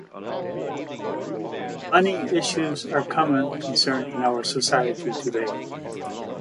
Money issues are a common concern in our society today.